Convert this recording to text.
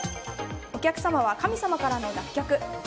お客様は神様からの脱却。